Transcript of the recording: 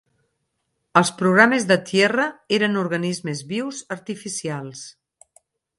Els programes de Tierra eren organismes vius artificials.